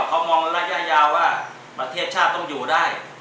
เขามองระยะยาวว่าประเทศชาติต้องอยู่ได้